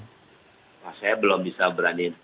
saya belum bisa berani